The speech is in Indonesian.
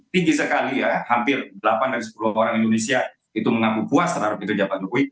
tinggi sekali ya hampir delapan dari sepuluh orang indonesia itu mengaku puas terhadap kinerja pak jokowi